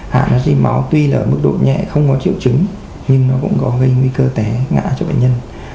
hạ nát ri máu tuy là ở mức độ nhẹ không có triệu chứng nhưng nó cũng có gây nguy cơ tẻ ngã cho bệnh nhân